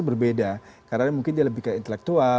berbeda karena mungkin dia lebih ke intelektual